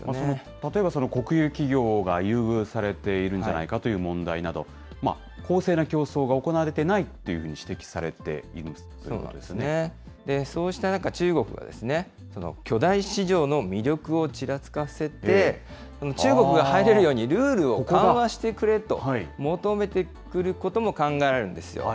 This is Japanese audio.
例えば国有企業が優遇されているんじゃないかという問題など、公正な競争が行われてないというふうに指摘されているそうなんでそうした中、中国は巨大市場の魅力をちらつかせて、中国が入れるようにルールを緩和してくれと求めてくることも考えられんですよ。